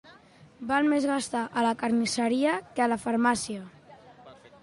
Val més gastar a la carnisseria que a la farmàcia.